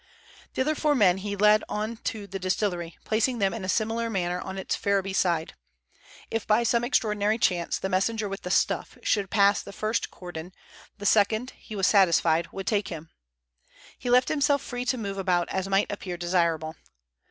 The other four men he led on to the distillery, placing them in a similar manner on its Ferriby side. If by some extraordinary chance the messenger with the "stuff" should pass the first cordon, the second, he was satisfied, would take him. He left himself free to move about as might appear desirable.